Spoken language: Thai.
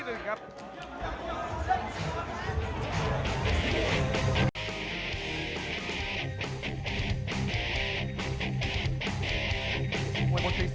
อื้อหือจังหวะขวางแล้วพยายามจะเล่นงานด้วยซอกแต่วงใน